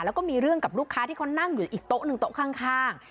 แล้วก็มีเรื่องกับลูกค้าที่เขานั่งอยู่อีกโต๊ะหนึ่งโต๊ะข้าง